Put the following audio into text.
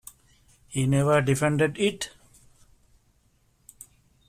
He never defended it.